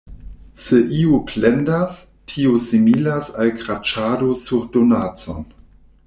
Se iu plendas, tio similas al kraĉado sur donacon.